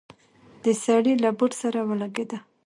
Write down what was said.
د سړي له بوټ سره ولګېده.